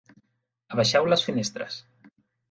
Abaixeu les finestres.